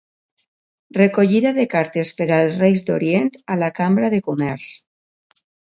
Recollida de cartes per als Reis d'Orient a la Cambra de Comerç.